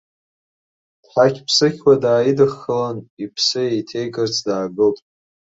Дҳақь-ԥсықьуа дааидыххылан, иԥсы еиҭеикырц даагылт.